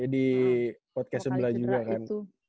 di podcast sebelah juga kan